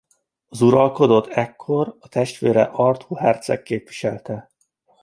Az uralkodót ekkor a testvére Artúr herceg képviselte.